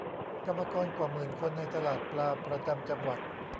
กรรมกรกว่าหมื่นคนในตลาดปลาประจำจังหวัด